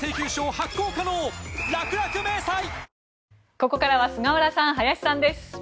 ここからは菅原さん、林さんです。